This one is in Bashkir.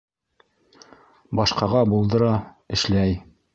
Башҡаға булдыра, эшләй.